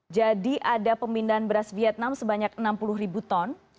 jadi ada pembinaan beras vietnam sebanyak enam puluh ribu ton